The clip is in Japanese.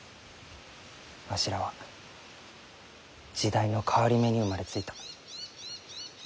わしらは時代の変わり目に生まれついた。